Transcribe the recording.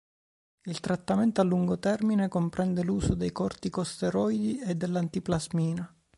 Il trattamento a lungo termine comprende l'uso dei corticosteroidi e dell'antiplasmina.